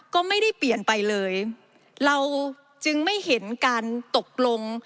ก็ไม่ได้เปลี่ยนไปเลยเราจึงไม่เห็นการตกลง